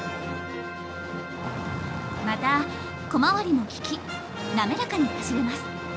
また小回りも利き滑らかに走れます。